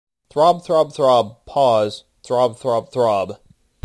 Throb, throb, throb, pause, throb, throb, throb.